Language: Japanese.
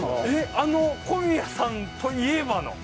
あの小宮さんといえばの？